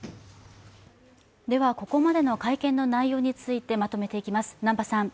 では、ここまでの会見の内容についてまとめていきます。